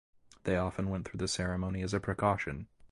They often went through the ceremony as a precaution.